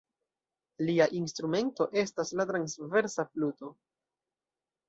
Lia instrumento estas la transversa fluto.